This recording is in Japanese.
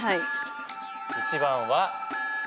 １番は。